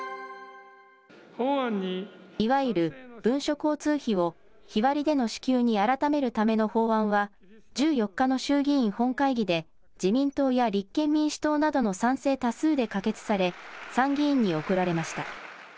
いわゆる文書交通費を日割りでの支給に改めるための法案は、１４日の衆議院本会議で自民党や立憲民主党などの賛成多数で可決され、参議院に送られました。